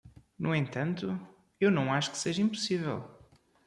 No entanto? eu não acho que seja impossível.